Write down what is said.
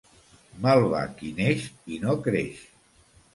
Mal va qui neix i no creix.